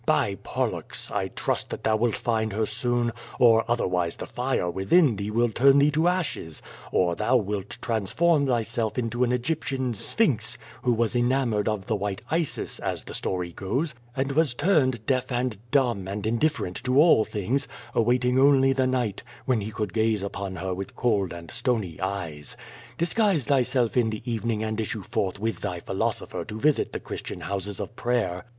By Pollux! I trust that thou wilt find her soon, or otherwise the fire within thee will turn thee to ashes, or thou wilt transform thyself into an Egyptian Sphinx, who was enamored of the white Isis, as the story goes, and was turned deaf and dumb and indifferent to all things, awaiting only the night, when he could gaze upon her with cold and stony eyes. Disguise thyself in the evening and issue forth with thy philosopher to visit the Christian houses of prayer.